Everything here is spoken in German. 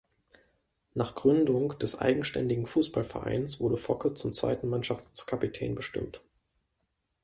Nach Gründung des eigenständigen Fußballvereins wurde Focke zum zweiten Mannschaftskapitän bestimmt.